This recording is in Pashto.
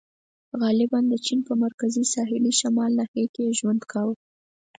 • غالباً د چین په مرکزي ساحلي شمالي ناحیه کې یې ژوند کاوه.